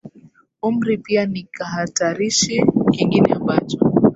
umri pia ni kihatarishi kingine ambacho